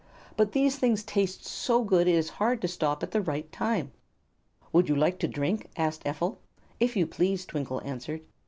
"But these things taste so good it is hard to stop at the right time." "Would you like to drink?" asked Ephel. "If you please," Twinkle answered.